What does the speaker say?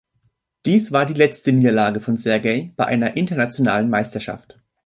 Dies war die letzte Niederlage von Sergei bei einer internationalen Meisterschaft.